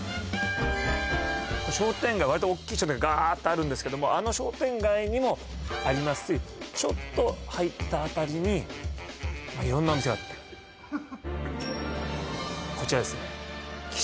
割とおっきい商店街ガーッとあるんですけどもあの商店街にもありますしちょっと入ったあたりに色んなお店があってこちらですね